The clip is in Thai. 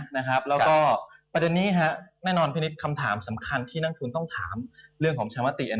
แล้วก็ประเด็นนี้แน่นอนพี่นิดคำถามสำคัญที่นักทุนต้องถามเรื่องของชาวมติ